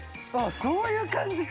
そういう感じか。